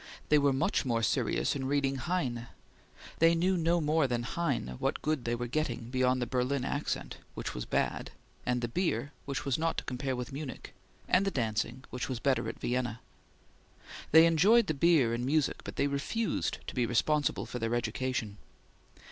They were much more serious in reading Heine. They knew no more than Heine what good they were getting, beyond the Berlin accent which was bad; and the beer which was not to compare with Munich; and the dancing which was better at Vienna. They enjoyed the beer and music, but they refused to be responsible for the education.